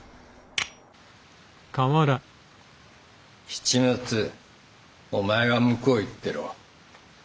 七松お前は向こうへ行ってろ。